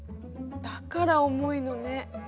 だから重いのね。